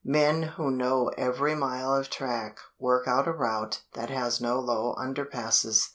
Men who know every mile of track work out a route that has no low underpasses.